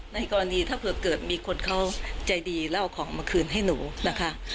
ในกรณีถ้าเผื่อเกิดมีคนเขาใจดีแล้วเอาของมาคืนให้หนูนะคะ